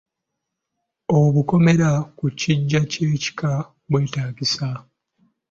Obukomera ku kiggwa ky’ekika bwetaagisa.